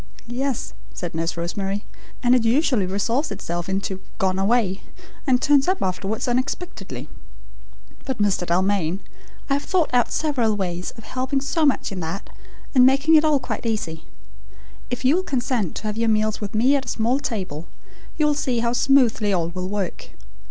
"Yes," said Nurse Rosemary, "and it usually resolves itself into 'gone away,' and turns up afterwards unexpectedly! But, Mr. Dalmain, I have thought out several ways of helping so much in that and making it all quite easy. If you will consent to have your meals with me at a small table, you will see how smoothly all will work.